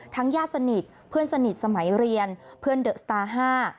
ญาติสนิทเพื่อนสนิทสมัยเรียนเพื่อนเดอะสตาร์ห้า